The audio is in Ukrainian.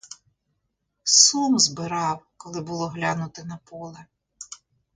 Сум збирав, коли було глянути на поле.